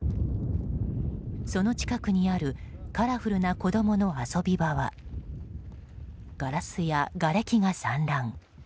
その近くにあるカラフルな子供の遊び場はガラスやがれきが散乱。